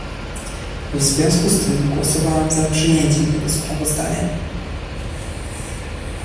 W związku z tym głosowałam za przyjęciem tego sprawozdania